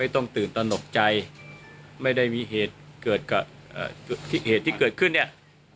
ไม่ต้องตื่นตอนหกใจไม่ได้มีเหตุเกิดขึ้นเนี่ย